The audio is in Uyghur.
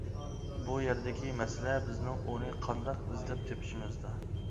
بۇ يەردىكى مەسىلە، بىزنىڭ ئۇنى، قانداق ئىزدەپ تېپىشىمىزدا.